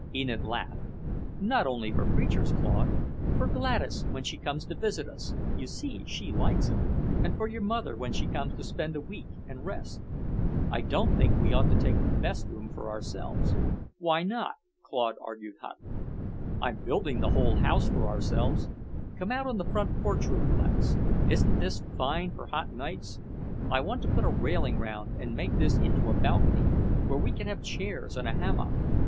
Enid laughed. "Not only for preachers, Claude. For Gladys, when she comes to visit us you see she likes it and for your mother when she comes to spend a week and rest. I don't think we ought to take the best room for ourselves." "Why not?" Claude argued hotly. "I'm building the whole house for ourselves. Come out on the porch roof, Gladys. Isn't this fine for hot nights? I want to put a railing round and make this into a balcony, where we can have chairs and a hammock."